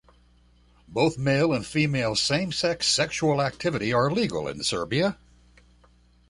Both male and female same-sex sexual activity are legal in Serbia.